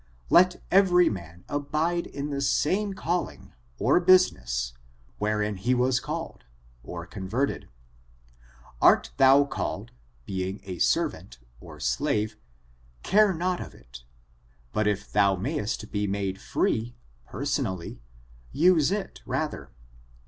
"Let every man abide in the same calhng [or business] wherein he was called [or converted]. Art thou call ed, being a servant [or slave], care not fof it ; but if thou mayest be nuidefree [personally], use it rather.